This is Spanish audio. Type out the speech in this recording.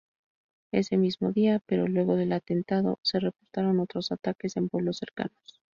Ese mismo día, pero luego del atentado, se reportaron otros ataques en pueblos cercanos.